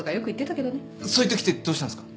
そういうときってどうしたんすか？